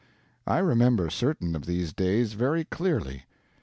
I remember certain of these days very clearly.